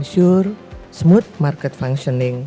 untuk memastikan fungsi pemerintah